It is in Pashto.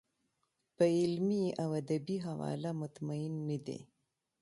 په علمي او ادبي حواله مطمین نه دی.